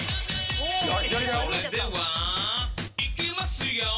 「それではいきますよ」